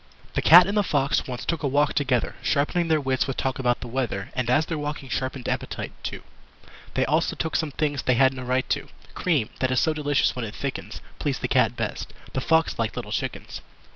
The Cat and the Fox once took a walk together, Sharpening their wits with talk about the weather And as their walking sharpened appetite, too; They also took some things they had no right to. Cream, that is so delicious when it thickens, Pleased the Cat best. The Fox liked little chickens.